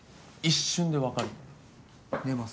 一瞬で分かるの。